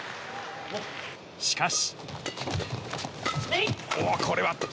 しかし。